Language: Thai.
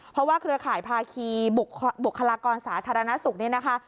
เพราะว่าเครือข่ายภาคีบุคลากรสาธารณสุขนี่นะคะ